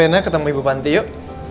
ayo rena ketemu ibu panti yuk